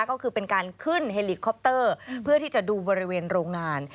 ก็คือเป็นการขึ้นเฮลิคอปเตอร์เพื่อที่จะดูบริเวณโรงงาน